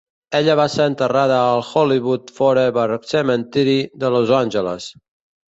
Ella va ser enterrada al Hollywood Forever Cemetery de Los Angeles.